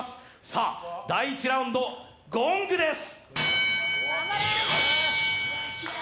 さあ、第１ラウンド、ゴングです。